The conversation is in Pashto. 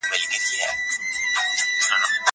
زه له سهاره سبا ته فکر کوم!!